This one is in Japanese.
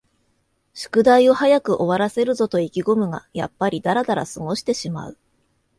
宿題を早く終わらせるぞと意気ごむが、やっぱりだらだら過ごしてしまう